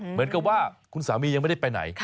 เหมือนกับว่าคุณสามียังไม่ได้ไปไหน